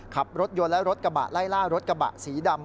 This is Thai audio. ขับรถยนต์และรถกระบะไล่ล่ารถกระบะสีดำ